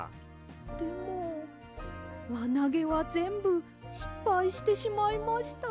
でもわなげはぜんぶしっぱいしてしまいました。